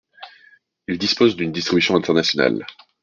Il dispose d'une distribution internationale.